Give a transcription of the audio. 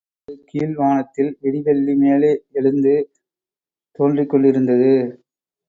அப்போது கீழ் வானத்தில் விடிவெள்ளி மேலே எழுந்து தோன்றிக் கொண்டிருந்தது.